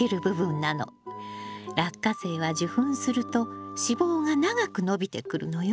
ラッカセイは受粉すると子房が長く伸びてくるのよ。